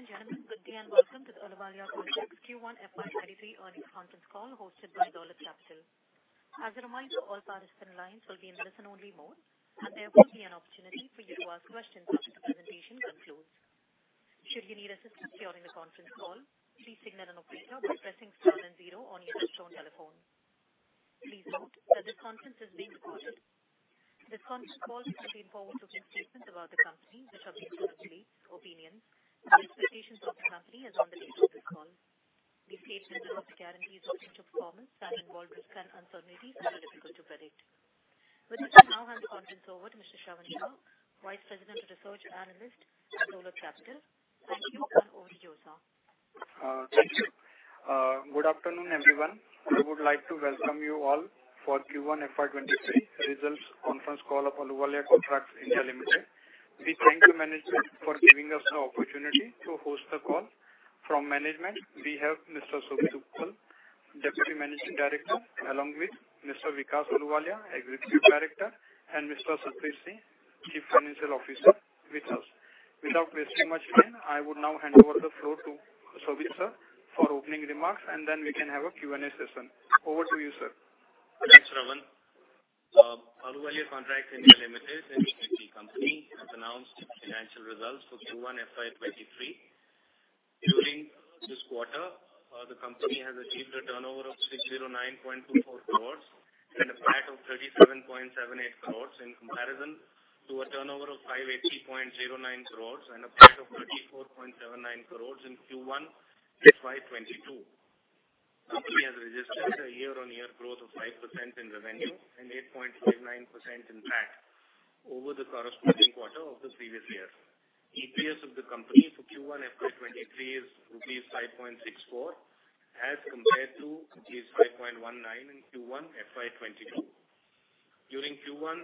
Ladies and gentlemen, good day and welcome to the Ahluwalia Contracts Q1 FY23 earnings conference call hosted by Dolat Capital. As a reminder, all participant lines will be in the listen-only mode, and there will be an opportunity for you to ask questions after the presentation concludes. Should you need assistance during the conference call, please signal an operator by pressing 70 on your headphone telephone. Please note that this conference is being recorded. This conference call contains forward-looking statements about the company, which are based on the beliefs, opinions, and expectations of the company as on the date of this call. These statements do not guarantee future performance and involve risk and uncertainties that are difficult to predict. With this, I now hand the conference over to Mr. Shravan Shah, Vice President of Research and Analyst at Dolat Capital. Thank you, and over to you, sir. Thank you. Good afternoon, everyone. I would like to welcome you all for Q1 FY23 results conference call of Ahluwalia Contracts (India) Limited. We thank the management for giving us the opportunity to host the call. From management, we have Mr. Shobhit Uppal, Deputy Managing Director, along with Mr. Vikas Ahluwalia, Executive Director, and Mr. Satbir Singh, Chief Financial Officer, with us. Without wasting much time, I would now hand over the floor to Shobhit, sir, for opening remarks, and then we can have a Q&A session. Over to you, sir. Thanks, Shravan. Ahluwalia Contracts (India) Limited is a company, which has announced its financial results for Q1 FY23. During this quarter, the company has achieved a turnover of 609.24 crores and a PAT of 37.78 crores in comparison to a turnover of 580.09 crores and a PAT of 34.79 crores in Q1 FY22. The company has registered a year-on-year growth of 5% in revenue and 8.59% in PAT over the corresponding quarter of the previous year. EPS of the company for Q1 FY23 is ₹5.64 as compared to ₹5.19 in Q1 FY22. During Q1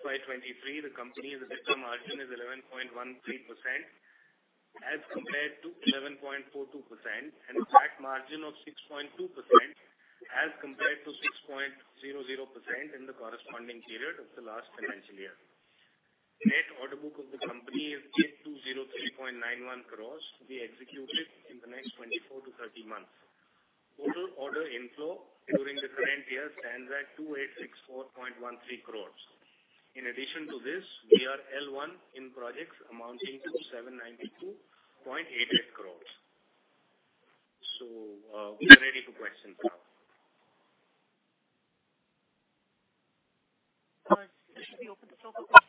FY23, the company's return margin is 11.13% as compared to 11.42%, and the PAT margin of 6.2% as compared to 6.00% in the corresponding period of the last financial year. Net order book of the company is ₹8203.91 crores to be executed in the next 24-30 months. Total order inflow during the current year stands at 2,864.13 crores. In addition to this, we are L1 in projects amounting to 792.88 crores. So we are ready for questions now. Sir, this should be open to all for questions?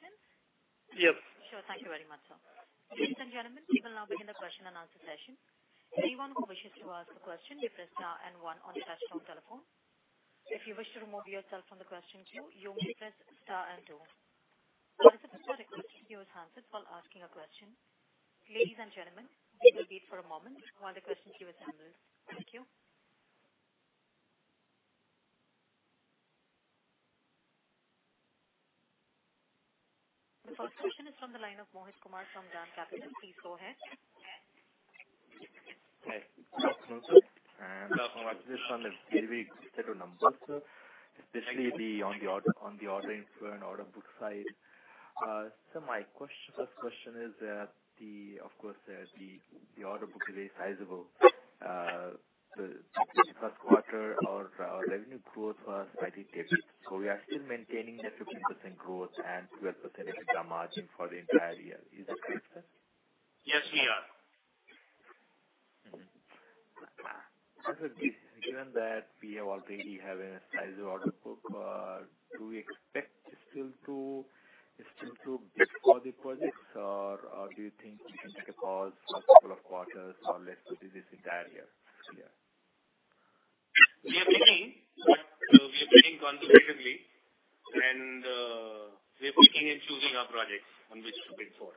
Yes. Sure. Thank you very much, sir. Ladies and gentlemen, we will now begin the question and answer session. Anyone who wishes to ask a question may press star and one on the touch-tone telephone. If you wish to remove yourself from the question queue, you may press star and two. There is a specific question to be answered while asking a question. Ladies and gentlemen, please wait for a moment while the question queue is handled. Thank you. The first question is from the line of Mohit Kumar from DAM Capital. Please go ahead. Hi. Welcome, sir, and welcome. This is on the very strong numbers, especially on the order inflow and order book side. So my first question is that, of course, the order book is very sizable. The first quarter revenue growth was slightly tapered. So we are still maintaining a 15% growth and 12% EBITDA margin for the entire year. Is that correct, sir? Yes, we are. Given that we have already a sizable order book, do we expect it's still too big for the projects, or do you think we can take a pause for a couple of quarters or let's do this entire year? We are picking conservatively, and we are picking and choosing our projects on which to pick for.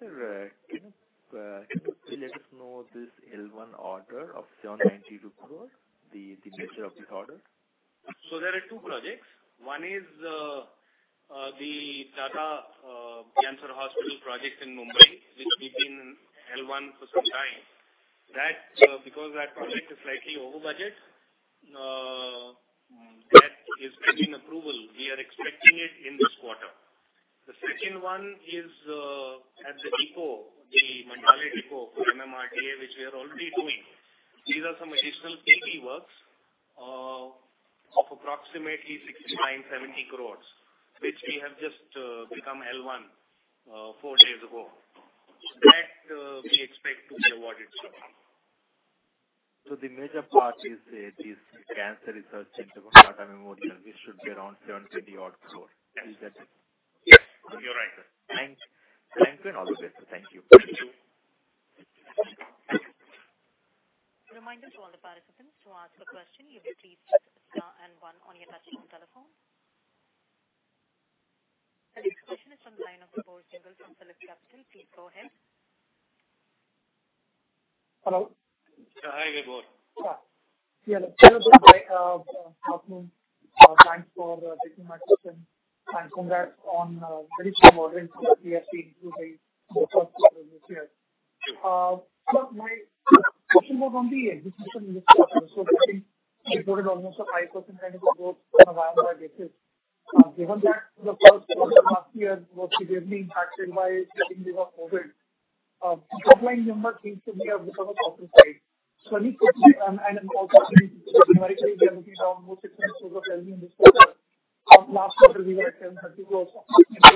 Sir, can you please let us know this L1 order of 792 crores? The nature of this order? There are two projects. One is the Tata Cancer Hospital project in Mumbai, which we've been L1 for some time. Because that project is slightly over budget, that is pending approval. We are expecting it in this quarter. The second one is at the depot, the Mandale Depot for MMRDA, which we are already doing. These are some additional PD works of approximately 6,970 crores, which we have just become L1 four days ago. That we expect to be awarded. So the major part is this cancer research center for Tata Memorial. This should be around 720 crores. Is that? Yes. You're right, sir. Thank you and all the best. Thank you. Thank you. Reminder to all the participants to ask a question. You may please press star and one on your touchtone telephone. The next question is from the line of Vibhor Singhal from PhillipCapital. Please go ahead. Hello. Hi. Good morning. Yeah. Yeah. Thanks for taking my question. And congrats on very good order inflow to be included in the first quarter of this year. So my question was on this quarter. So I think we've noted almost a 5% kind of growth on a year-on-year basis. Given that the first quarter last year was severely impacted by the beginning of COVID, the underlying number seems to be a bit soft. So any specific and also generally, we are looking at almost 600 crores of revenue in this quarter. Last quarter, we were at INR 730 crores, and that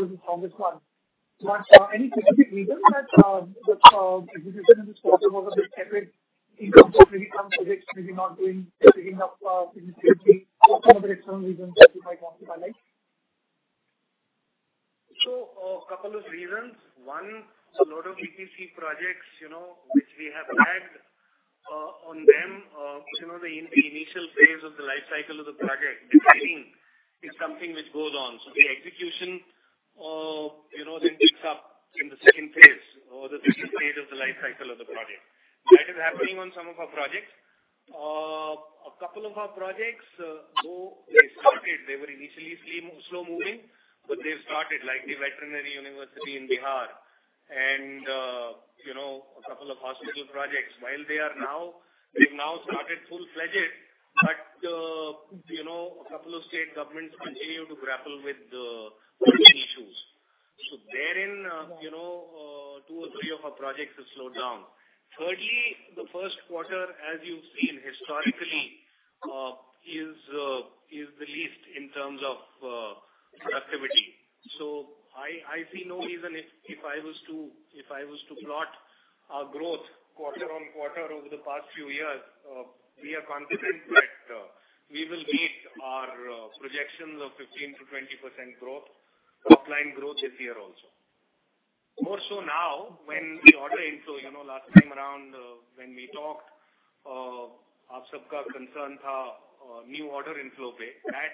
was the strongest one. But any specific reason that the execution of this quarter was a bit tepid in terms of maybe some projects maybe not doing big enough significantly? What are some of the external reasons that you might want to highlight? So, a couple of reasons. One, a lot of EPC projects which we have lagged on them. The initial phase of the life cycle of the project is lagging. It's something which goes on, so the execution then picks up in the second phase or the second stage of the life cycle of the project. That is happening on some of our projects. A couple of our projects though, they were initially slow-moving, but they've started, like the veterinary university in Bihar and a couple of hospital projects. While they are now, they've now started full-fledged, but a couple of state governments continue to grapple with the issues, so therein, two or three of our projects have slowed down. Thirdly, the first quarter, as you've seen historically, is the least in terms of productivity. So I see no reason if I was to plot our growth quarter on quarter over the past few years. We are confident that we will meet our projections of 15%-20% growth, top-line growth this year also. More so now when the order inflow last time around when we talked, Aap Sabh Ka concerned new order inflow. That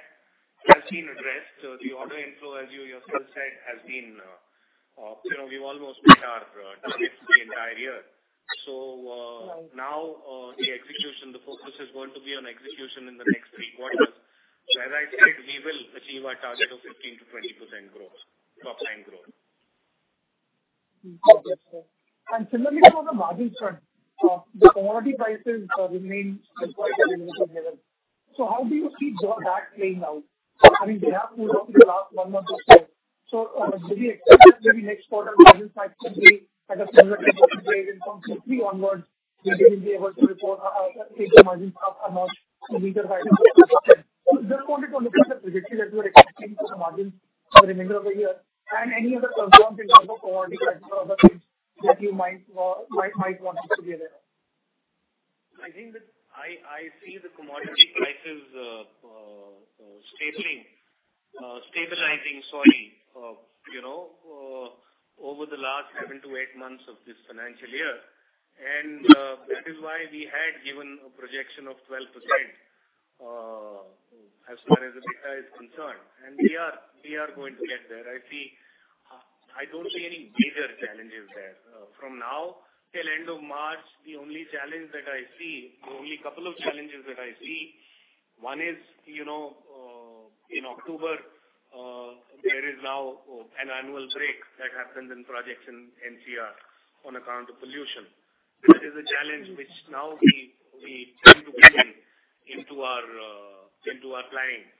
has been addressed. The order inflow, as you yourself said, has been. We've almost met our targets the entire year. So now the execution, the focus is going to be on execution in the next three quarters. As I said, we will achieve our target of 15%-20% growth, top-line growth. Good, good, sir. And similarly, on the margin front, the commodity prices remain at quite a relatively high level. So how do you see that playing out? I mean, they have pulled off in the last one month or so. So do we expect that maybe next quarter, margins might simply at a similar consistent wave in Q3 onwards, we will be able to report margins are not too weaker by the margin? So just wanted to look at the trajectory that we are expecting for the margins for the remainder of the year. And any other concerns in terms of commodity prices or other things that you might want us to be aware of? I think that I see the commodity prices stabilizing, sorry, over the last seven to eight months of this financial year, and that is why we had given a projection of 12% as far as the data is concerned, and we are going to get there. I don't see any major challenges there. From now till end of March, the only challenge that I see, the only couple of challenges that I see, one is in October, there is now an annual break that happens in projects in NCR on account of pollution. That is a challenge which now we tend to put into our planning.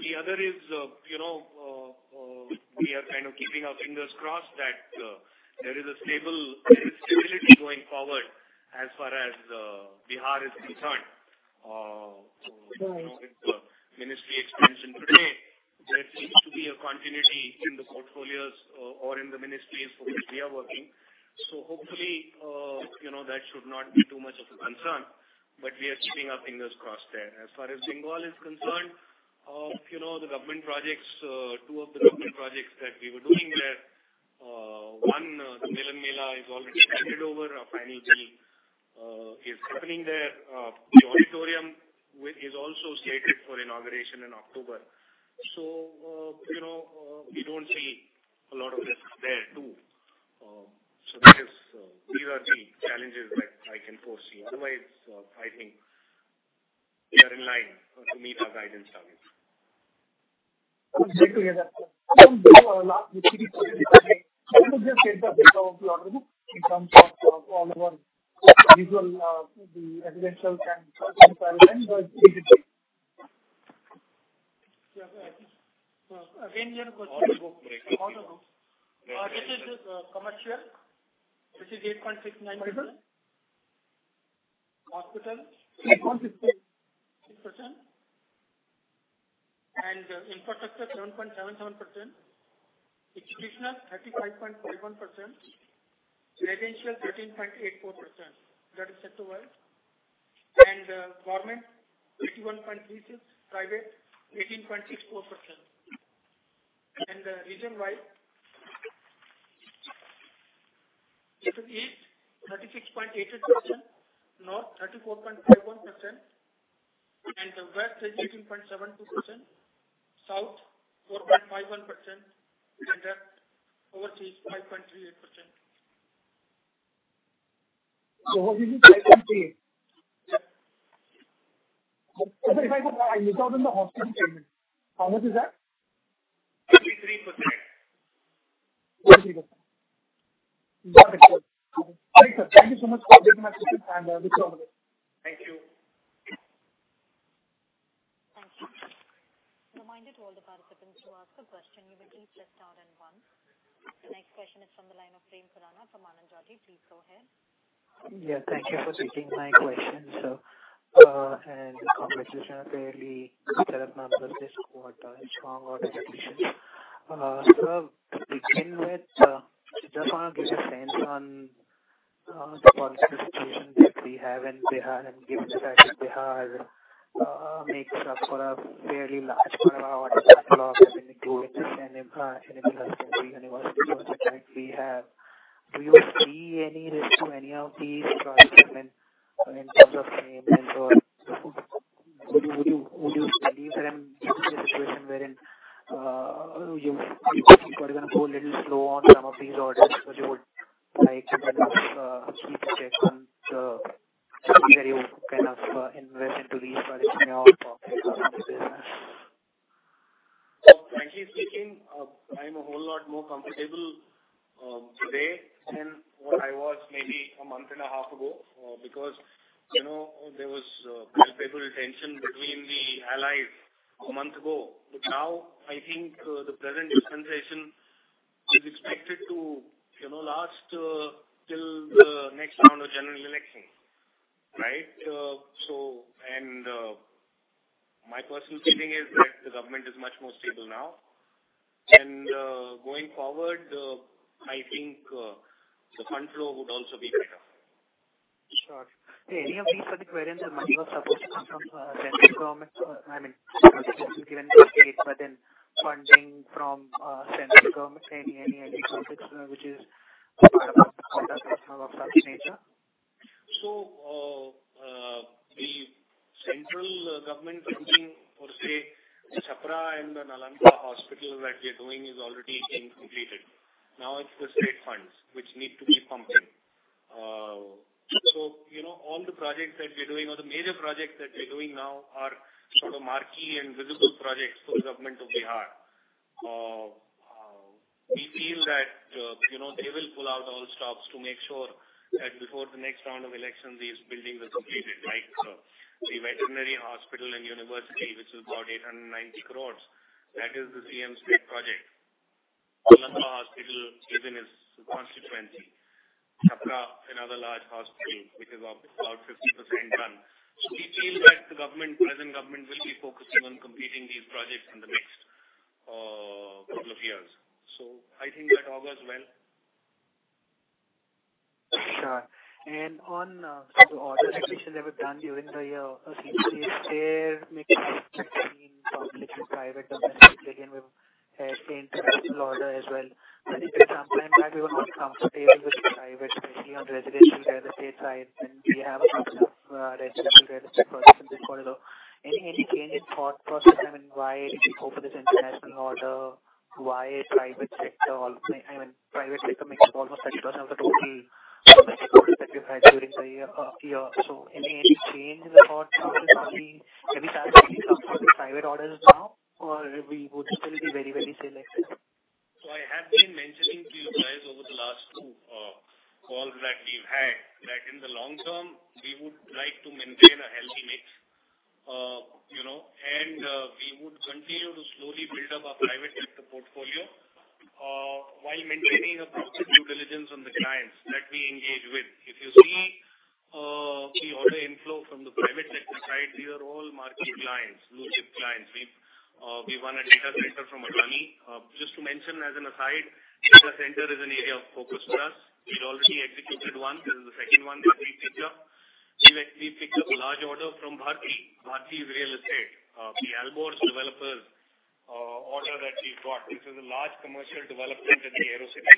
The other is we are kind of keeping our fingers crossed that there is a stability going forward as far as Bihar is concerned. With the ministry expansion today, there seems to be a continuity in the portfolios or in the ministries for which we are working. So hopefully, that should not be too much of a concern, but we are keeping our fingers crossed there. As far as Bengal is concerned, the government projects, two of the government projects that we were doing there, one, the Milan Mela is already handed over. A final deal is happening there. The auditorium is also slated for inauguration in October. So we don't see a lot of risk there too. So these are the challenges that I can foresee. Otherwise, I think we are in line to meet our guidance targets. Great to hear that. Some do or not, the CPWD is coming? How would you say the state of the order book in terms of all of our usual, the residential and institutional line, the EPC? Yeah, sir. Again, we have a question. Order book. This is commercial, which is 8.69%. Hospitals, 8.66%. And infrastructure, 7.77%. Execution, 35.51%. Residential, 13.84%. That is sector-wide. Government, 81.36%. Private, 18.64%. Region-wise, East, 36.88%. North, 34.51%. West is 18.72%. South, 4.51%. Overseas, 5.38%. So what do you mean 5.38? I misheard in the hospital payment. How much is that? 33%. 33%. Got it. Great, sir. Thank you so much for taking my questions and with your orders. Thank you. Thank you. Reminder to all the participants to ask a question. You may please press star and one. The next question is from the line of Prem Khurana from Anand Rathi. Please go ahead. Yes. Thank you for taking my questions, sir. And congratulations on a solid set of numbers this quarter. Strong order completion. Sir, to begin with, I just want to get your sense on the political situation that we have in Bihar and given the fact that Bihar makes up a fairly large part of our order book, including the veterinary university we have. Do you see any risk to any of these projects in terms of payment? Or would you believe that in the situation where you are going to go a little slow on some of these orders, but you would like to kind of keep a check on the things that you kind of invest into these projects in your own pocket in terms of the business? Frankly speaking, I'm a whole lot more comfortable today than what I was maybe a month and a half ago because there was palpable tension between the allies a month ago. But now, I think the present dispensation is expected to last till the next round of general elections, right? And my personal feeling is that the government is much more stable now. And going forward, I think the fund flow would also be better. Sure. Any of these particular acquisitions that might be supported by the central government? I mean, governments have given statements and funding from central government. Any projects which are part of the construction nature? So the central government funding for, say, Chapra and the Nalanda Hospital that we are doing is already being completed. Now it's the state funds which need to be pumped in. So all the projects that we are doing, or the major projects that we are doing now, are sort of marquee and visible projects for the government of Bihar. We feel that they will pull out all stops to make sure that before the next round of elections, these buildings are completed, like the veterinary hospital and university, which is about 890 crore. That is the CM state project. Nalanda Hospital is in its constituency. Chapra, another large hospital, which is about 50% done. So we feel that the present government will be focusing on completing these projects in the next couple of years. So I think that augurs well. Sure. And on the order completion that was done during the year of CDC, they're making it completely private domestically. And we've seen the order as well. I think at some point in time, we were not comfortable with private, especially on residential real estate side. And we have a couple of residential real estate projects in this quarter. So any change in thought process? I mean, why hope for this international order? Why private sector? I mean, private sector makes up almost 30% of the total domestic orders that we've had during the year. So any change in the thought process? Can we start taking some private orders now, or we would still be very, very selective? So I have been mentioning to you guys over the last two calls that we've had that in the long term, we would like to maintain a healthy mix. And we would continue to slowly build up our private sector portfolio while maintaining a proper due diligence on the clients that we engage with. If you see the order inflow from the private sector side, these are all marquee clients, blue-chip clients. We won a data center from Adani. Just to mention as an aside, data center is an area of focus for us. We already executed one. This is the second one that we picked up. We picked up a large order from Bharti. Bharti is real estate. The Bharti developer's order that we've got. This is a large commercial development in the AeroCity.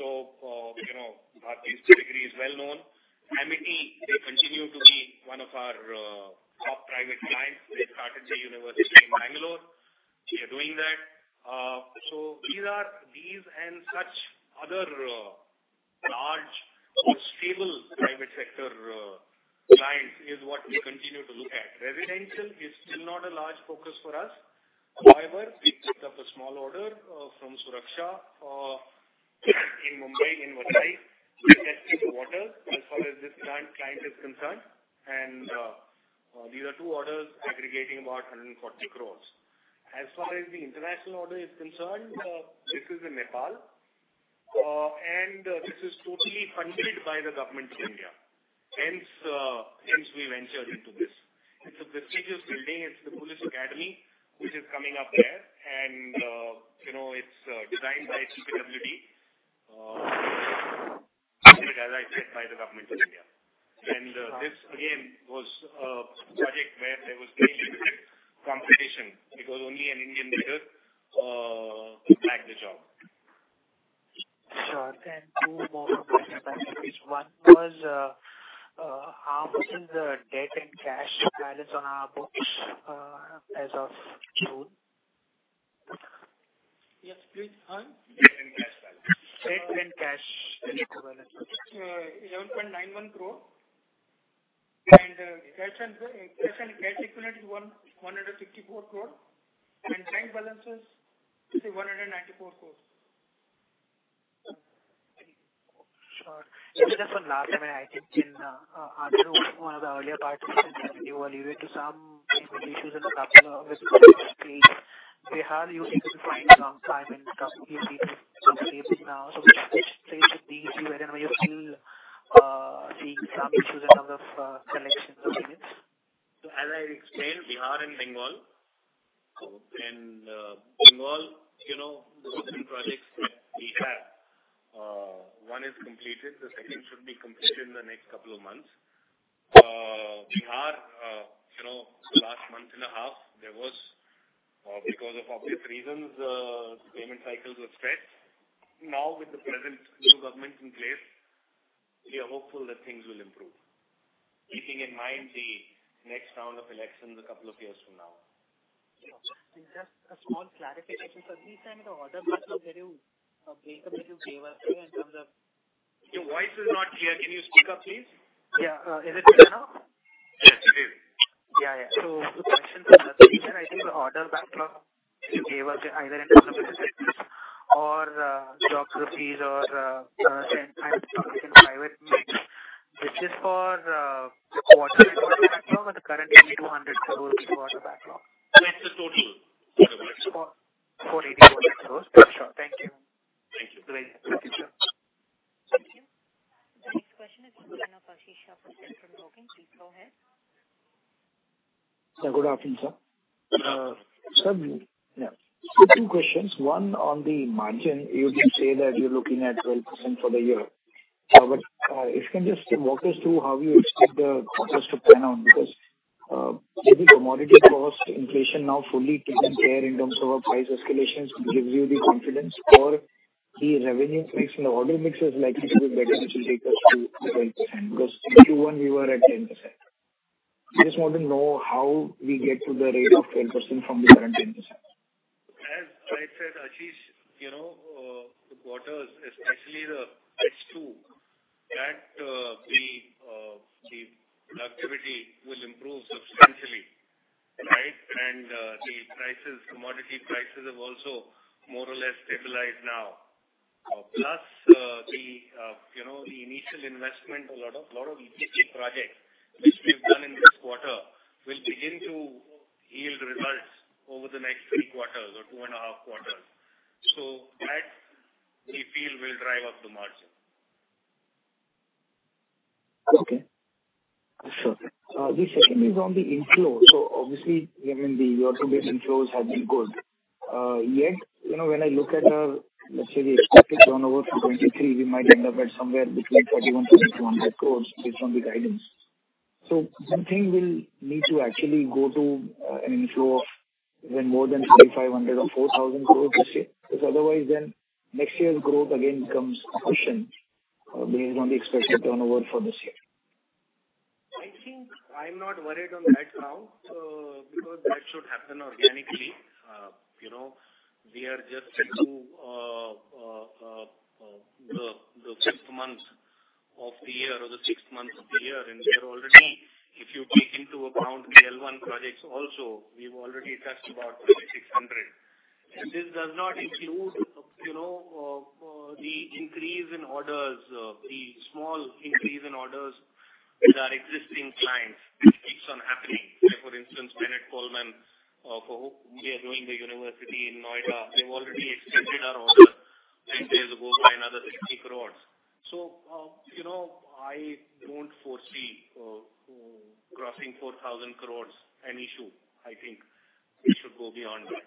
So Bharti's pedigree is well known. Amity, they continue to be one of our top private clients. They started the university in Bangalore. They're doing that. So these and such other large stable private sector clients is what we continue to look at. Residential is still not a large focus for us. However, we picked up a small order from Suraksha in Mumbai, in Vasai. We tested the waters as far as this current client is concerned, and these are two orders aggregating about 140 crores. As far as the international order is concerned, this is in Nepal, and this is totally funded by the government of India. Hence, we ventured into this. It's a prestigious building. It's the Police Academy, which is coming up there, and it's designed by CPWD, as I said, by the government of India. This, again, was a project where there was mainly competition because only an Indian leader bagged the job. Sure. And two more comparison points. One was, how much is the debt and cash balance on Ahluwalia Contracts (India) as of June? Yes, please. Huh? Debt and cash balance. Debt and cash equivalents. 11.91 crore. And cash equivalent is 154 crore. And bank balances say 194 crores. Sure. Just one last thing. I mean, I think in one of the earlier participants, you alluded to some issues in the capex with Bihar. You seem to find some time in a couple of years you need to be able to now. So what is the situation with these? Where are you still seeing some issues in terms of collections or dues? So as I explained, Bihar and Bengal. And Bengal, the different projects that we have, one is completed. The second should be completed in the next couple of months. Bihar, last month and a half, there was, because of obvious reasons, the payment cycles were stretched. Now, with the present new government in place, we are hopeful that things will improve. Keeping in mind the next round of elections a couple of years from now. Sure. And just a small clarification. So these kind of orders, there is a bank committee who gave us in terms of. Your voice is not clear. Can you speak up, please? Yeah. Is it clear now? Yes, it is. Yeah, yeah. So the question from the other side, I think the order backlog, you gave us either in terms of business or geographies or kind of public and private mix, which is for water and order backlog, or the current INR 200 crores for order backlog? That's the total order backlog. 484 crores. Sure. Thank you. Thank you. You're very welcome. Thank you, sir. Thank you. The next question is from Ashish Shah from Centrum Broking. Please go ahead. Yeah, good afternoon, sir. Sir, two questions. One on the margin. You did say that you're looking at 12% for the year. But if you can just walk us through how you expect the quarters to pan out because the commodity cost inflation now fully taken care in terms of our price escalations gives you the confidence, or the revenue mix and the order mix is likely to be better which will take us to 12% because Q1 we were at 10%. I just want to know how we get to the rate of 12% from the current 10%. As I said, Ashish, the quarters, especially the next two, that the productivity will improve substantially, right? And the commodity prices have also more or less stabilized now. Plus, the initial investment, a lot of EPC projects which we've done in this quarter will begin to yield results over the next three quarters or two and a half quarters. So that, we feel, will drive up the margin. Okay. Sure. The second is on the inflow. So obviously, I mean, the year-to-date inflows have been good. Yet when I look at our, let's say, the expected turnover for 2023, we might end up at somewhere between 3,100-3,200 crores based on the guidance. So do you think we'll need to actually go to an inflow of even more than 3,500 or 4,000 crores this year? Because otherwise, then next year's growth again becomes questioned based on the expected turnover for this year. I think I'm not worried on that now because that should happen organically. We are just into the fifth month of the year or the sixth month of the year. And we are already, if you take into account L1 projects also, we've already touched about 3,600. And this does not include the increase in orders, the small increase in orders with our existing clients. It keeps on happening. For instance, Bennett Coleman, for whom we are doing the university in Noida, they've already extended our order 10 days ago by another 60 crores. So I don't foresee crossing 4,000 crores an issue. I think it should go beyond that.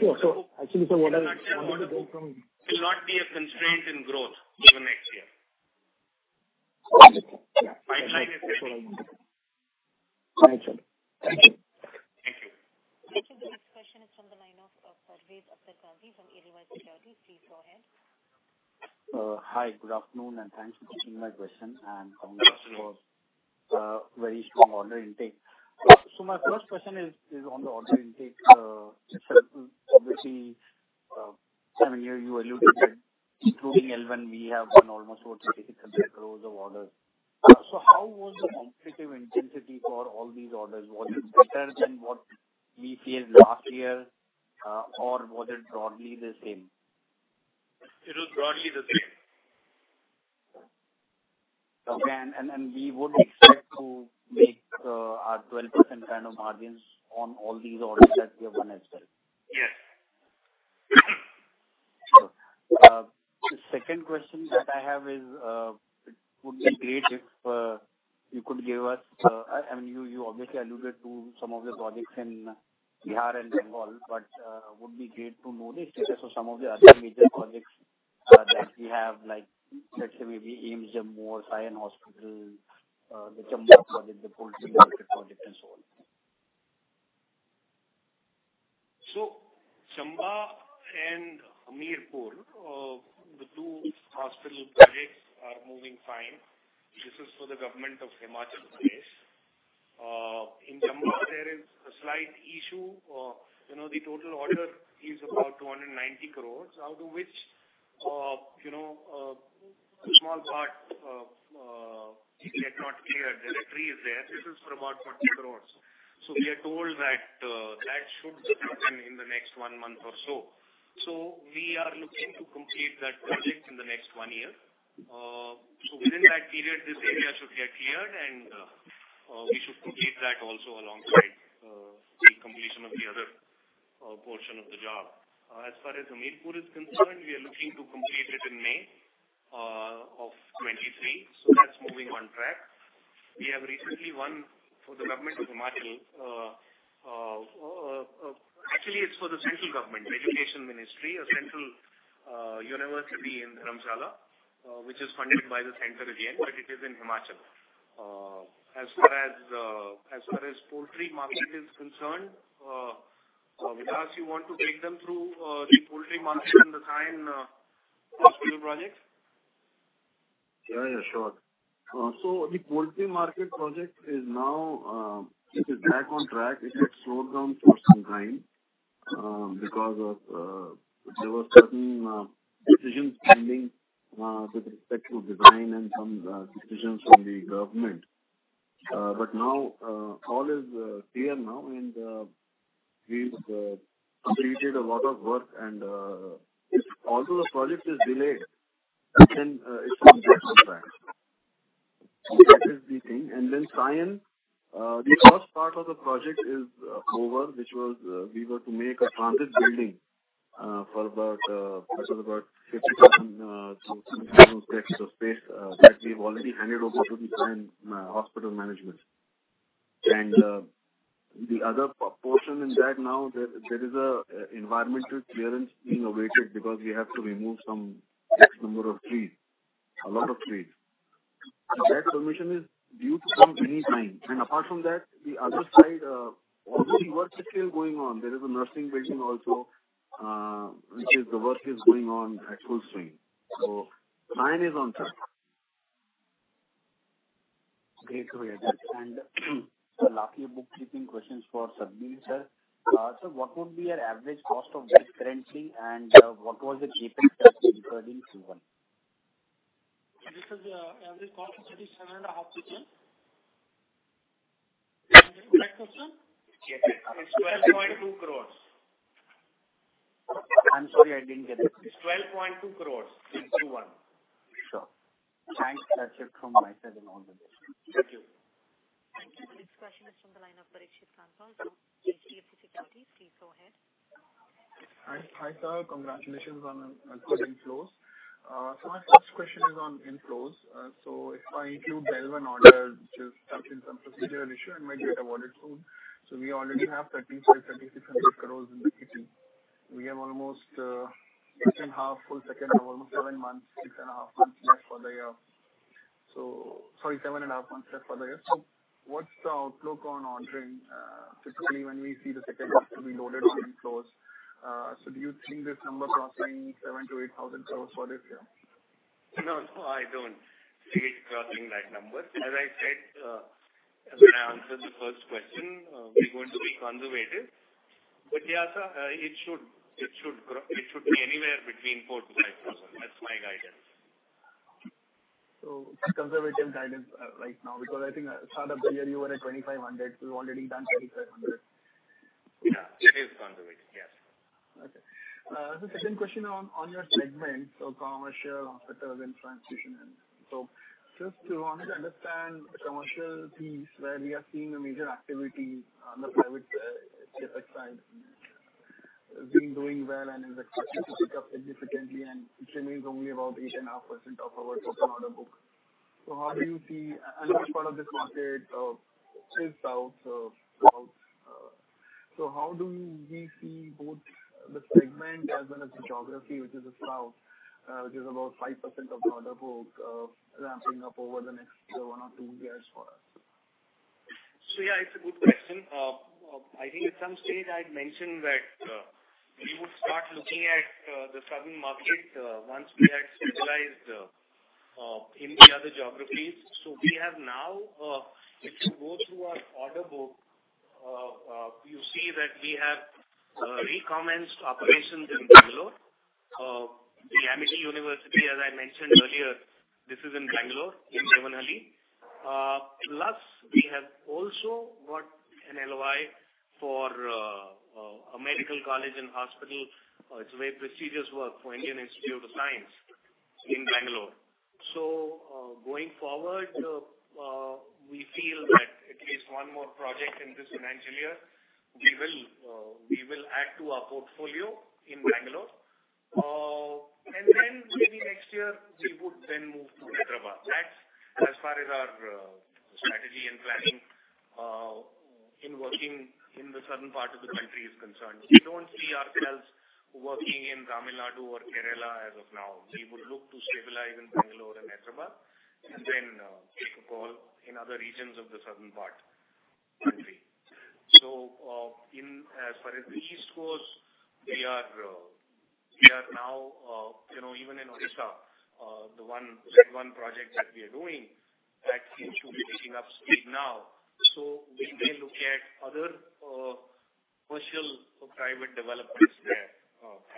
Sure. So actually, sir, what I wanted to go from. It will not be a constraint in growth even next year. Okay. Yeah. Thank you. Thank you. Thank you. The next question is from the line of Paresh Karia from YES Securities. Please go ahead. Hi. Good afternoon, and thanks for taking my question, and congrats for very strong order intake, so my first question is on the order intake. I mean, you alluded to it. Through L1, we have done almost 460 crores of orders, so how was the competitive intensity for all these orders? Was it better than what we feel last year, or was it broadly the same? It was broadly the same. Okay, and we would expect to make our 12% kind of margins on all these orders that we have done as well. Yes. The second question that I have is it would be great if you could give us, I mean, you obviously alluded to some of the projects in Bihar and Bengal, but it would be great to know the status of some of the other major projects that we have, like let's say maybe AIIMS Jammu, Sion Hospital, the Chamba project, the Police Academy project, and so on. Chamba and Hamirpur, the two hospital projects are moving fine. This is for the government of Himachal Pradesh. In Chamba, there is a slight issue. The total order is about 290 crores, out of which a small part yet not cleared. There are trees there. This is for about 40 crores. So we are told that that should happen in the next one month or so. So we are looking to complete that project in the next one year. So within that period, this area should get cleared, and we should complete that also alongside the completion of the other portion of the job. As far as Hamirpur is concerned, we are looking to complete it in May of 2023. So that's moving on track. We have recently won for the government of Himachal. Actually, it's for the central government, Education Ministry, a central university in Dharamshala, which is funded by the center again, but it is in Himachal. As far as the Bihar market is concerned, would you ask you want to take them through the Bihar market and the Sion Hospital project? Yeah, yeah. Sure. So the poultry market project is now back on track. It had slowed down for some time because there were certain decisions pending with respect to design and some decisions from the government. But now all is clear now, and we've completed a lot of work. And although the project is delayed, then it should be back on track. That is the thing. And then Sion, the first part of the project is over, which was we were to make a transit building for about 50,000-60,000 sq. ft. of space that we've already handed over to the Sion Hospital management. And the other portion in that now, there is an environmental clearance being awaited because we have to remove some X number of trees, a lot of trees. That permission is due to come any time. And apart from that, the other side, all the work is still going on. There is a nursing building also, which is the work is going on at full swing. So Sion is on track. Great. Great. And lastly, a bookkeeping question for Shobhit, sir. Sir, what would be your average cost of this currently, and what was the CapEx that you incurred in Q1? This is the average cost of 37.5 per year. Did I get the correct question? Yes, it's 12.2 crores. I'm sorry, I didn't get it. It's 12.2 crores in Q1. Sure. Thanks. That's it from my side and all the best. Thank you. The next question is from the line of Parikshit Kandpal, from HDFC Securities. Please go ahead. Hi, sir. Congratulations on record inflows. So my first question is on inflows. So if I include Bharti when ordered, which is something that's a procedural issue, it might get awarded soon. So we already have 3,536 crores in the kitty. We have almost six and a half months left for the year. Almost seven months, six and a half months left for the year. So sorry, seven and a half months left for the year. So what's the outlook on order inflows typically when we see the second half to be loaded on inflows? So do you think this number crossing 7,000-8,000 crores for this year? No, no, I don't see it crossing that number. As I said, as I answered the first question, we're going to be conservative. But yeah, sir, it should be anywhere between 4,000-5,000. That's my guidance. So, conservative guidance right now because I think, start of the year, you were at 2,500. We've already done 2,500. Yeah. It is conservative. Yes. Okay. The second question on your segment, so commercial, hospitals, and transmission. So just to understand the commercial piece where we are seeing a major activity on the private CapEx side, it's been doing well and is expected to pick up significantly, and it remains only about 8.5% of our total order book. So how do you see and which part of this market is south or south? So how do we see both the segment as well as the geography, which is the south, which is about 5% of the order book, ramping up over the next one or two years for us? So yeah, it's a good question. I think at some stage, I'd mentioned that we would start looking at the southern market once we had stabilized in the other geographies. So we have now, if you go through our order book, you see that we have recommenced operations in Bangalore. The Amity University, as I mentioned earlier, this is in Bangalore, in Devanahalli. Plus, we have also got an LOI for a medical college and hospital. It's a very prestigious work for Indian Institute of Science in Bangalore. So going forward, we feel that at least one more project in this financial year, we will add to our portfolio in Bangalore. And then maybe next year, we would then move to Hyderabad. That's as far as our strategy and planning in working in the southern part of the country is concerned. We don't see ourselves working in Tamil Nadu or Kerala as of now. We would look to stabilize in Bangalore and Hyderabad, and then take a call in other regions of the southern part country. So as far as the east goes, we are now even in Orissa, the one project that we are doing, that seems to be picking up speed now. So we may look at other commercial or private developments there.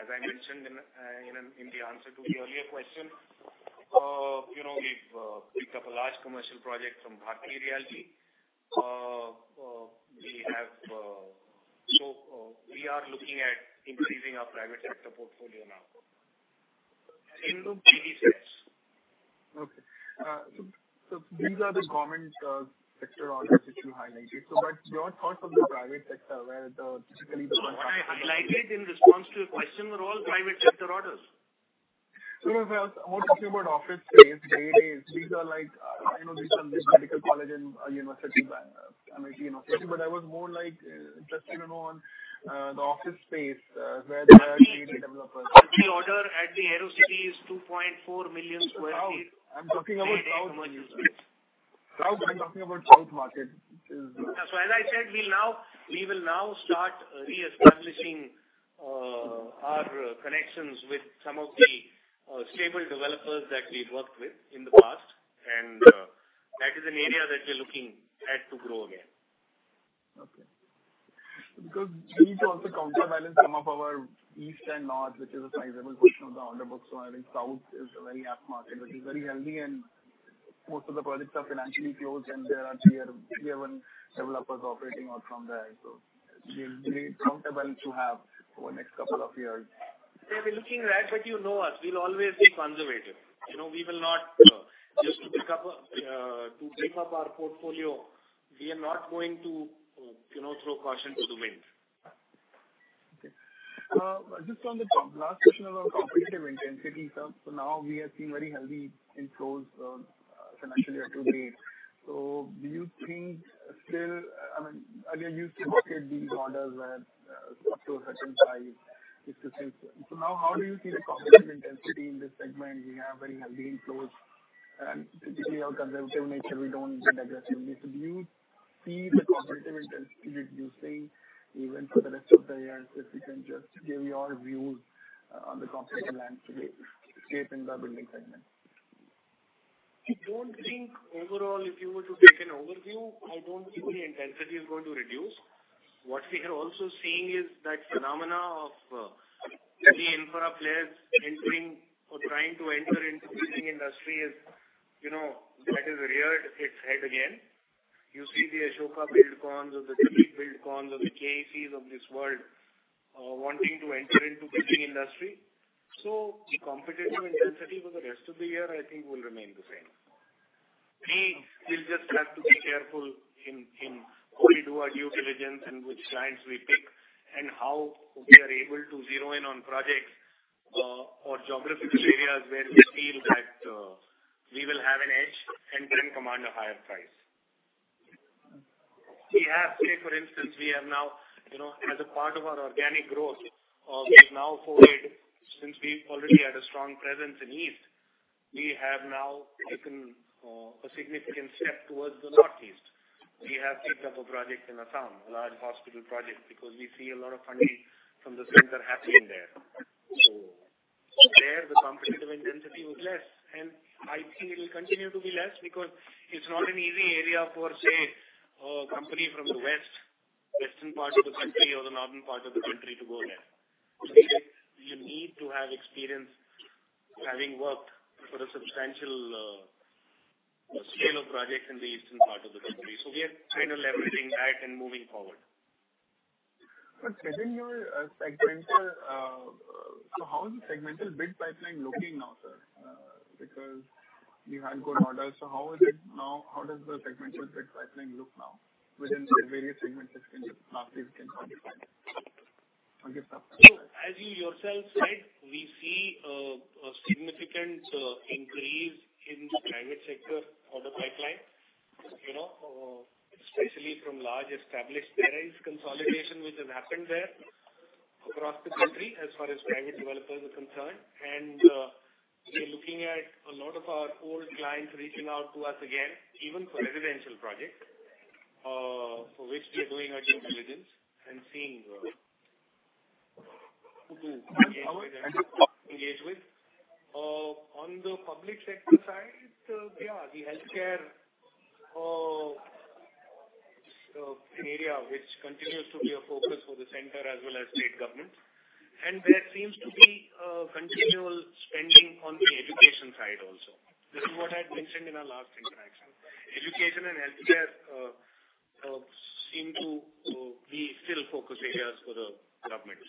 As I mentioned in the answer to the earlier question, we've picked up a large commercial project from Bharti Realty. We have so we are looking at increasing our private sector portfolio now in many steps. Okay. So these are the government sector orders that you highlighted. So what's your thoughts on the private sector where typically the contract? What I highlighted in response to your question were all private sector orders. Sir, I was more talking about office space, Grade A spaces. These are like, I know these are medical college and university, Amity University, but I was more interested in the office space where there are great developers. The office order at the AeroCity is 2.4 million sq ft. South? I'm talking about South. South market. South? I'm talking about South market. So as I said, we will now start reestablishing our connections with some of the stable developers that we've worked with in the past. And that is an area that we're looking at to grow again. Okay. Because we need to also counterbalance some of our east and north, which is a sizable portion of the order book. So I think south is the very apt market, which is very healthy, and most of the projects are financially closed, and there are L1 developers operating out from there. So it's a great counterbalance to have for the next couple of years. We're looking at that, but you know us. We'll always be conservative. We will not just pick up to beef up our portfolio. We are not going to throw caution to the wind. Okay. Just on the last question around competitive intensity, sir, so now we have seen very heavy inflows financially to date. So do you think still, I mean, earlier you used to look at these orders where up to a certain size is sufficient. So now how do you see the competitive intensity in this segment? We have very heavy inflows. And typically, our conservative nature, we don't get aggressively. So do you see the competitive intensity reducing even for the rest of the year if we can just give your views on the competitive landscape in the building segment? I don't think overall, if you were to take an overview, I don't think the intensity is going to reduce. What we are also seeing is that phenomena of the infra players entering or trying to enter into the building industry is that has reared its head again. You see the Ashoka Buildcon or the KEC or the L&Ts of this world wanting to enter into the building industry, so the competitive intensity for the rest of the year, I think, will remain the same. We will just have to be careful in how we do our due diligence and which clients we pick and how we are able to zero in on projects or geographical areas where we feel that we will have an edge and can command a higher price. We have, say, for instance, we have now, as a part of our organic growth, we've now forayed, since we've already had a strong presence in east, we have now taken a significant step towards the northeast. We have picked up a project in Assam, a large hospital project, because we see a lot of funding from the center happening there. So there, the competitive intensity was less, and I think it will continue to be less because it's not an easy area for, say, a company from the west, western part of the country, or the northern part of the country to go there. So you need to have experience having worked for a substantial scale of projects in the eastern part of the country. So we are kind of leveraging that and moving forward. But within your segment, sir, so how is the segmental bid pipeline looking now, sir? Because you had good orders. So how is it now? How does the segmental bid pipeline look now within the various segments that last week can identify? So as you yourself said, we see a significant increase in the private sector order pipeline, especially from large established players, consolidation which has happened there across the country as far as private developers are concerned. And we're looking at a lot of our old clients reaching out to us again, even for residential projects, for which we are doing our due diligence and seeing who to engage with. On the public sector side, yeah, the healthcare area, which continues to be a focus for the central as well as state government. And there seems to be continual spending on the education side also. This is what I had mentioned in our last interaction. Education and healthcare seem to be still focus areas for the government.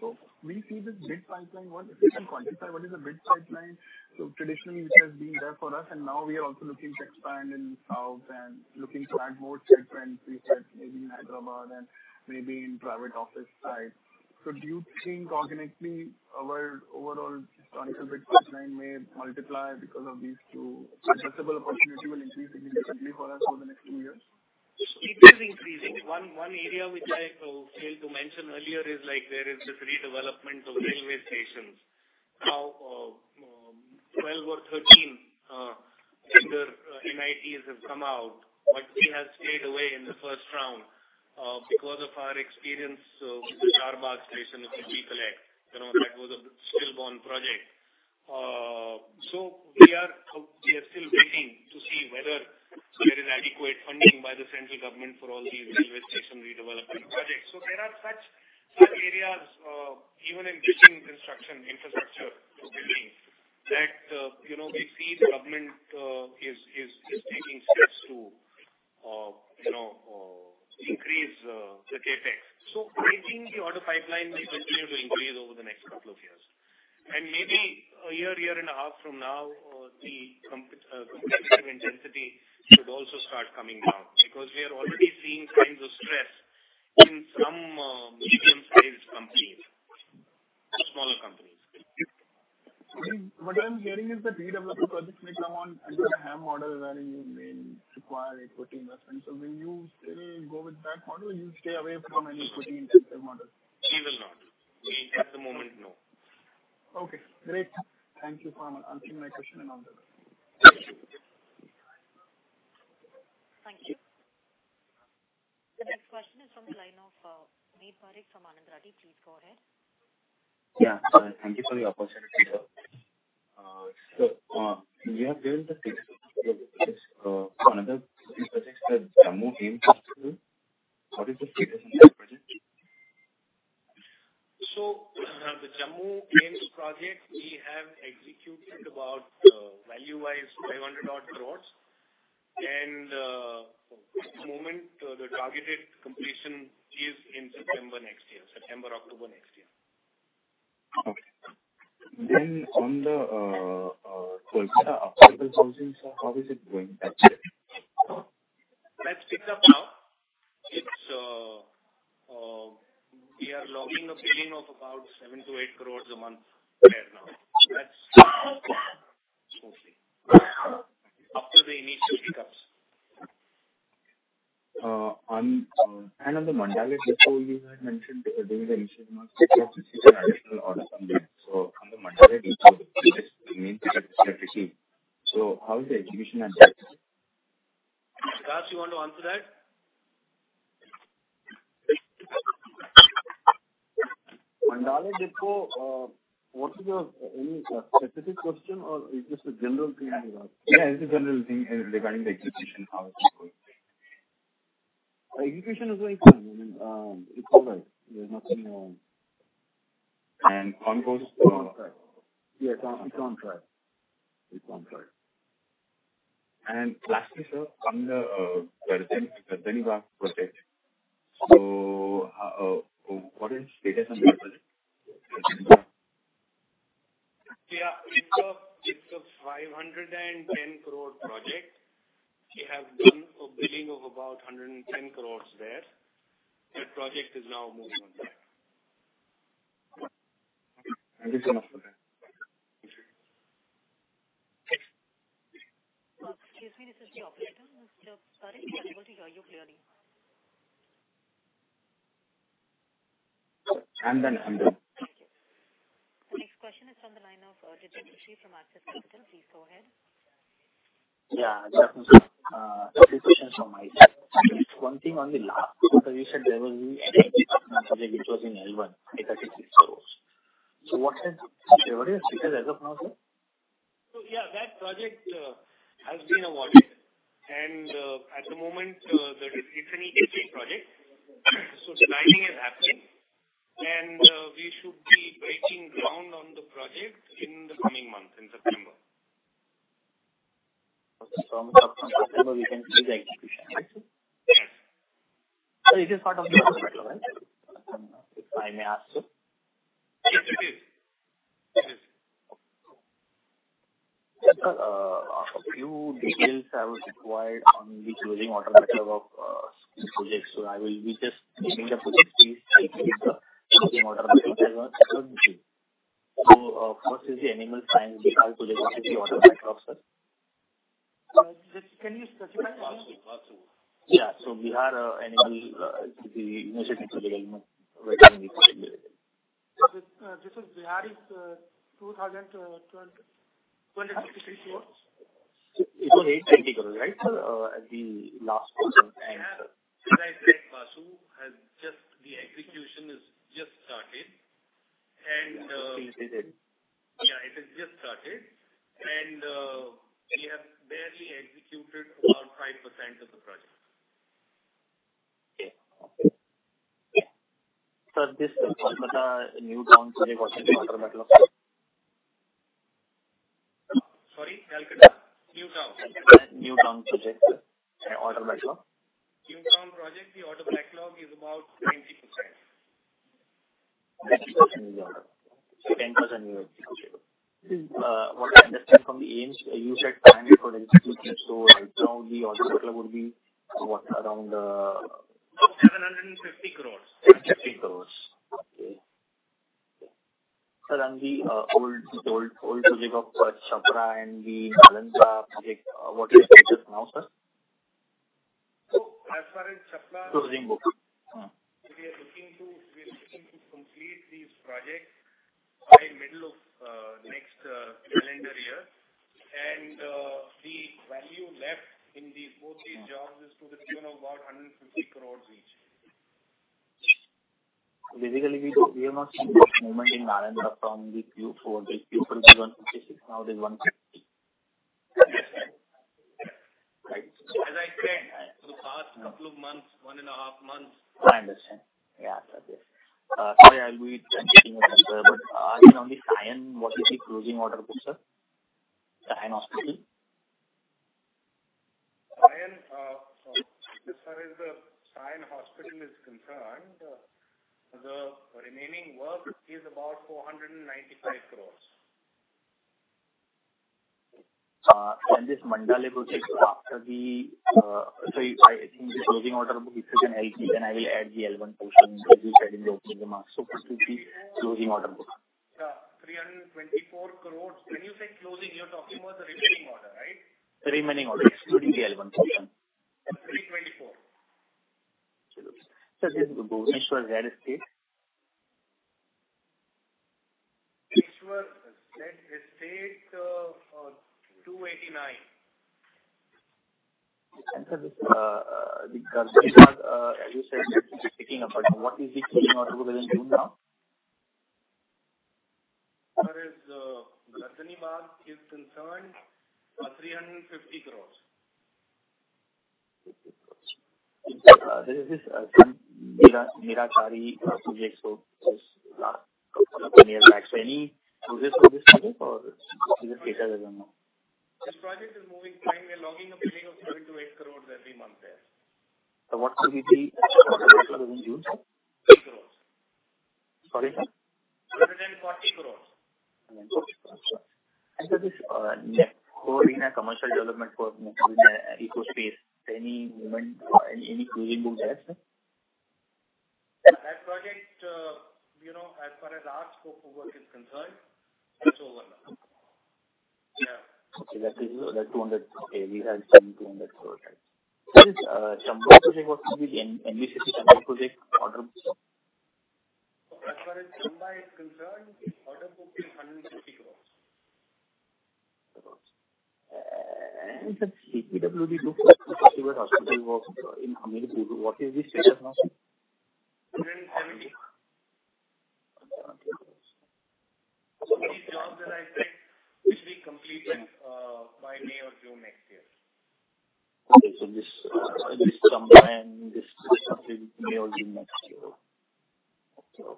So we see this bid pipeline. If you can quantify what is the bid pipeline, so traditionally, which has been there for us, and now we are also looking to expand in South and looking to add more sets when we said maybe in Hyderabad and maybe in private office sites. So do you think organically our overall historical bid pipeline may multiply because of these two? Addressable opportunity will increase significantly for us over the next two years? It is increasing. One area which I failed to mention earlier is there is this redevelopment of railway stations. Now 12 or 13 bigger cities have come out, but we have stayed away in the first round because of our experience with the Charbagh Railway Station of the chief elect. That was a stillborn project, so we are still waiting to see whether there is adequate funding by the central government for all these railway station redevelopment projects, so there are such areas, even in building construction, infrastructure building, that we see the government is taking steps to increase the CapEx, so I think the order pipeline will continue to increase over the next couple of years, and maybe a year, year and a half from now, the competitive intensity would also start coming down because we are already seeing signs of stress in some medium-sized companies, smaller companies. What I'm hearing is that redevelopment projects may come on under the HAM model where you may require equity investment. So will you still go with that model or will you stay away from any equity-intensive model? We will not. At the moment, no. Okay. Great. Thank you for asking my question and answered. Thank you. The next question is from the line of Amit Parekh from Anand Rathi. Please go ahead. Yeah. Thank you for the opportunity, sir. So we have given the status of this Adani project to the Jammu AIIMS project. What is the status on that project? The Jammu AIIMS project, we have executed about value-wise 500-odd crores. At the moment, the targeted completion is in September next year, September, October next year. Okay. Then, on the Taloja Housing stuff, how is it going that year? That's picked up now. We are logging a billing of about seven to eight crores a month there now. That's mostly after the initial pickups. On the Mandale Depot, you had mentioned there was an issue in the market. It's an additional order something. So on the Mandale Depot, this means that it's reflected. So how is the execution at that? Sir, you want to answer that? Mandale Depot, what is your specific question or is this a general thing you ask? Yeah, it's a general thing regarding the execution, how it's going. Execution is going fine. I mean, it's all right. There's nothing wrong. Concord? Yes, Concord. Lastly, sir, on the Gardanibagh project, so what is the status on that project? Yeah. It's a 510-year-old project. We have done a billing of about 110 crores there. The project is now moving on that. Thank you so much for that. Excuse me, this is the operator, Mr. Parekh. We're able to hear you clearly. I'm done. I'm done. Thank you. The next question is from the line of Jiten Rushi from Axis Capital. Please go ahead. Yeah. Just a few questions from my side. Just one thing on the last project you said, there was a project which was in L1, I-36 stores. So what has the award? Because as of now, sir? Yeah, that project has been awarded. At the moment, it's an EPC project. Planning is happening. We should be breaking ground on the project in the coming month, in September. Okay. So from September, we can see the execution, right? Yes. So it is part of the order backlog, right? If I may ask you? Yes, it is. It is. A few details are required on the closing order backlog of projects, so I will be just giving the project-wise to the closing order backlog as well, so first is the animal science Bihar project. What is the order backlog, sir? Can you specify again? Possible. Yeah. So, Bihar animal is the initial project element. Where can we put the billing? This is Bihar is 253 crores? It was 820 crore, right, sir, at the last question? Right. So just the execution has just started. And. It's completed. Yeah. It has just started, and we have barely executed about 5% of the project. Okay. Sir, this is the Kolkata New Town project. What is the order backlog? Sorry? Kolkata New Town? New Town project. And order backlog? New Town project, the order backlog is about 90%. 90% of the order. So 10% you executed. What I understand from the AIIMS, you said planning for the execution. So right now, the order backlog would be what? Around? 750 crores. 750 crores. Okay. Sir, on the old project of Chapra and the Nalanda project, what is the status now, sir? So as far as Chapra? Closing books. We are looking to complete these projects by middle of next calendar year, and the value left in both these jobs is to the tune of about 150 crores each. So basically, we are not seeing this movement in Nalanda from the P&L to 156. Now there's 150. Yes. Right. As I said, the past couple of months, one and a half months. I understand. Yeah, sir, yes. Sorry, I'll be continuing as well. But asking on the Sion, what is the closing order book, sir? Sion Hospital? Sion, as far as the Sion Hospital is concerned, the remaining work is about 495 crores. This Mandale project, after the so I think the closing order book, if you can help me, then I will add the L1 portion as you said in the opening remarks. What is the closing order book? 324 crores. When you say closing, you're talking about the remaining order, right? The remaining order, excluding the L1 portion. 324. Sir, this is Bhubaneswar Z Estates? Bhubaneswar Z Estate, 289. Sir, the Gardanibagh, as you said, is taking up. What is the closing order book as of June now? As far as Gardanibagh is concerned, INR 350 crores. There is this Mira Bhayandar project. So this last couple of years back. So any progress on this project or is it closed as of now? This project is moving fine. We are logging a billing of 7 crore-8 crore every month there. So what will be the closing order book as in June, sir? Crores. Sorry, sir? 140 crores. 140 crores. And sir, this NCR, commercial development for NCR Ecospace, is there any movement or any order book there, sir? That project, as far as our scope of work is concerned, it's over now. Yeah. Okay. That's 200. Okay. We had seen 200 crore. Sir, this Chamba project, what will be the NBCC Chamba project order book? As far as Chamba is concerned, order book is INR 150 crores. Crores. And sir, CPWD INR 250 crores hospital work in Hamirpur, what is the status now? 170. 170 crores. So these jobs that I said will be completed by May or June next year. Okay. So this Chamba and this hospital may or may not be next year. Okay.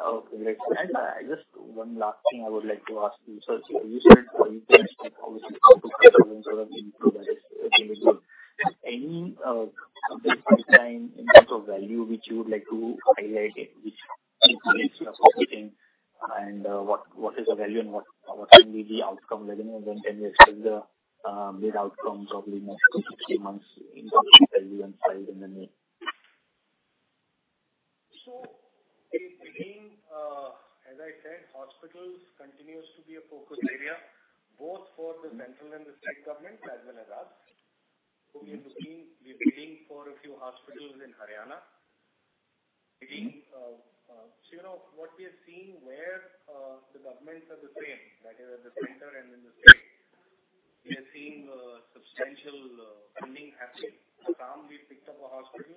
Okay. Great. And just one last thing I would like to ask you, sir. You said you can speak obviously to the people in the industry that is available. Any specific time in terms of value which you would like to highlight, which you think is worth putting and what is the value and what can be the outcome? When can we expect the bid outcome probably next to 60 months in terms of value and size in the name? So as I said, hospitals continues to be a focus area, both for the central and the state government as well as us. So we are looking. We are bidding for a few hospitals in Haryana. So what we have seen where the governments are the same, that is, at the center and in the state, we are seeing substantial funding happening. Assam, we picked up a hospital.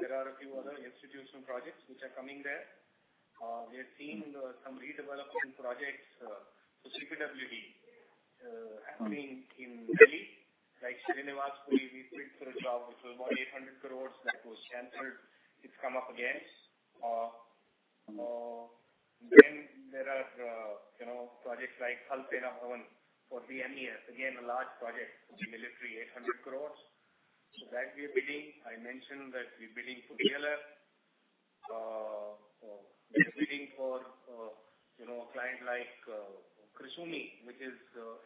There are a few other institutional projects which are coming there. We have seen some redevelopment projects. So CPWD happening in Delhi, like Srinivaspuri, we picked for a job. It was about INR 800 crore that was canceled. It's come up again. Then there are projects like Thal Sena Bhawan for the MES. Again, a large project for the military, 800 crore. So that we are bidding. I mentioned that we are bidding for DLF. We are bidding for a client like Krisumi, which is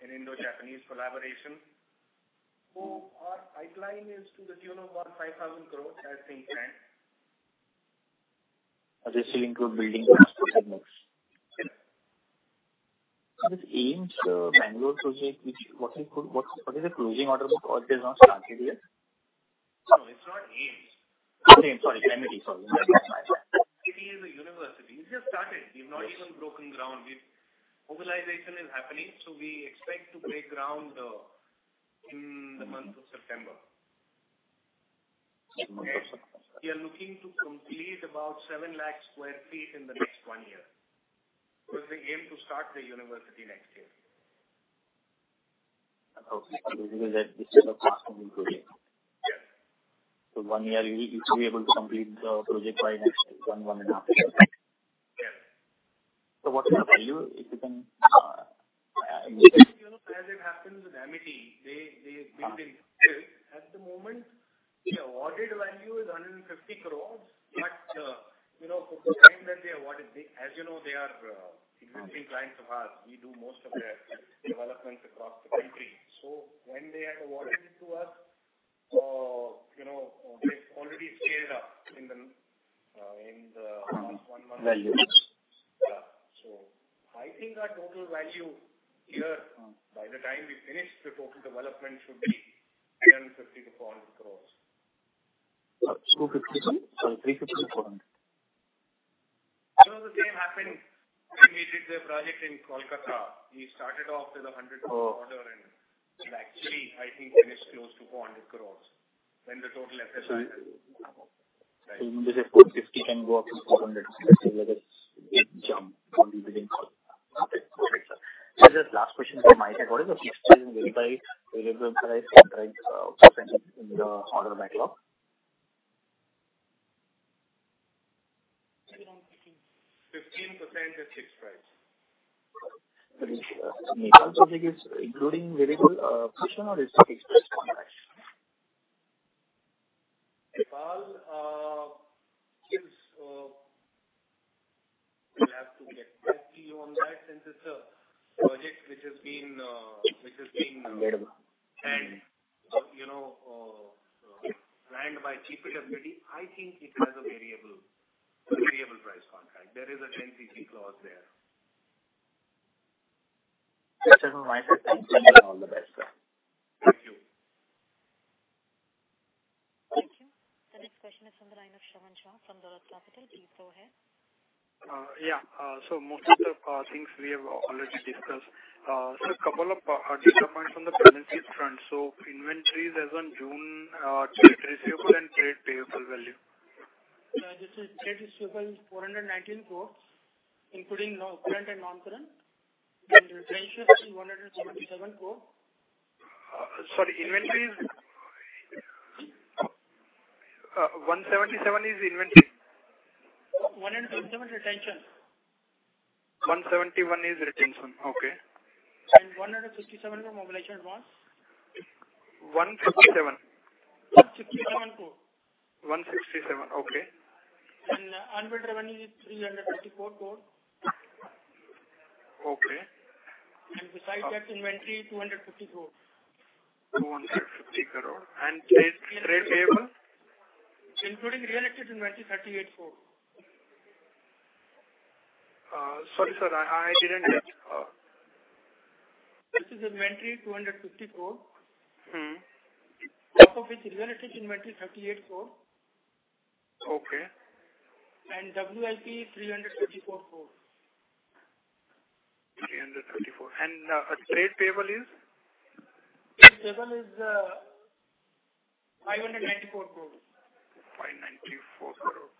an Indo-Japanese collaboration. So our pipeline is to the tune of about 5,000 crores as in planned. Are they still intent on building the hospital next? Yeah. Sir, this AIIMS Bangalore project, what is the closing order book? Or it has not started yet? No, it's not AIIMS. Not AIIMS. Sorry. Primary sorry. It is a university. It just started. We have not even broken ground. Mobilization is happening. So we expect to break ground in the month of September. Okay. We are looking to complete about 7 lakh sq ft in the next one year. Because they aim to start the university next year. Okay, so this is a possible project. Yes. So, one year, you should be able to complete the project by next one, one and a half years. Yes. So what's the value if you can? As it happens, the Amity, they build. At the moment, the awarded value is 150 crores. But for the time that they awarded, as you know, they are existing clients of ours. We do most of their developments across the country. So when they had awarded it to us, they already scaled up in the last one month. Value. Yeah. So I think our total value here, by the time we finish the total development, should be 150 crores-400 crores. So, 350? Sorry, 350-400. Some of the same happened when we did the project in Kolkata. We started off with a 100 crore order and it actually, I think, finished close to 400 crores. Then the total FSI was. So you want to say 450 can go up to 400? Let's say jump from the beginning. Okay. Perfect, sir. Sir, just last question from my side. What is the fixed price and variable price percentage in the order backlog? 15% is fixed price. But Nepal project is including variable portion or it's fixed price contract? Nepal will have to get with you on that since it's a project which has been. Variable. Planned by CPWD, I think it has a variable price contract. There is a 10CC clause there. That's it from my side. Thank you. All the best, sir. Thank you. Thank you. The next question is from the line of Shravan Shah from Dolat Capital. Please go ahead. Yeah. So most of the things we have already discussed. Sir, a couple of developments on the financing front. So inventories as of June, trade receivable and trade payable value? This is trade receivable 419 crores, including current and non-current, and retention is 177 crores. Sorry. Inventory is 177? Is inventory? 177 retention. 171 is retention. Okay. 157 for mobilization advance? 157. 167 crores. 167. Okay. Unbilled revenue is 324 crores. Okay. Besides that, inventory 250 crores. 250 crores, and trade payable? Including real estate inventory, INR 380 million. Sorry, sir. I didn't get it. This is inventory 250 crores. On top of it, real estate inventory 38 crores. Okay. WIP 334 crores. 334. And trade payable is? Trade payable is INR 594 crores. 594 crores.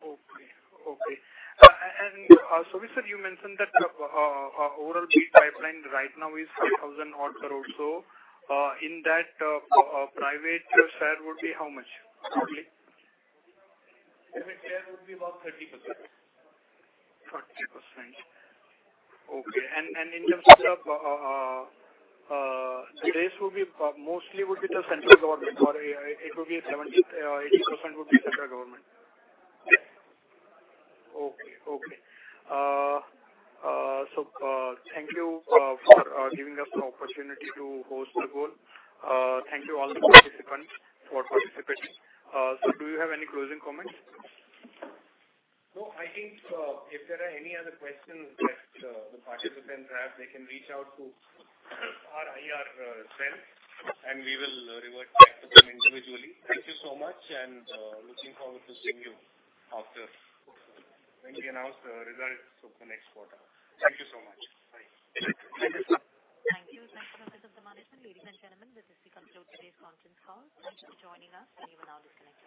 Okay. Okay. And so, sir, you mentioned that our overall bid pipeline right now is 5,000-odd crores. So in that, private share would be how much roughly? Private share would be about 30%. 30%. Okay, and in terms of the raise, mostly would be the central government, or it would be 80% would be central government. Yes. Okay. So thank you for giving us the opportunity to host the call. Thank you all the participants for participating. So do you have any closing comments? No. I think if there are any other questions that the participants have, they can reach out to our IRs, and we will revert back to them individually. Thank you so much, and looking forward to seeing you after when we announce the results of the next quarter. Thank you so much. Bye. Thank you. Thank you. Thank you for your participation, management. Ladies and gentlemen, this is to conclude today's conference call. Thank you for joining us. Anyone else is connected?